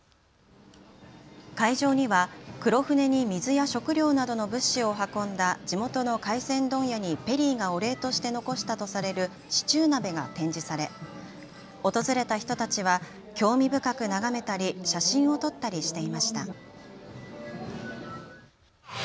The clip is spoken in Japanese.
会場には黒船に水や食料などの物資を運んだ地元の回船問屋にペリーがお礼として残したとされるシチュー鍋が展示され訪れた人たちは興味深く眺めたり写真を撮ったりしていました。